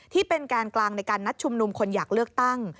ที่เป็นแกนกลางในการนัดชุมนุมคนอยากเลือกตั้ง